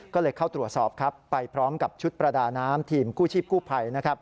ก็เลยเข้าตรวจสอบครับไปพร้อมกับชุดประดาน้ำทีมกู้ชีพกู้ภัย